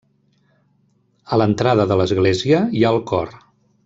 A l'entrada de l'església hi ha el cor.